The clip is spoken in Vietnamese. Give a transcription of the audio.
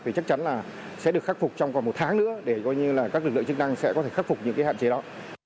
thì chắc chắn là sẽ được khắc phục trong còn một tháng nữa để coi như là các lực lượng chức năng sẽ có thể khắc phục những cái hạn chế đó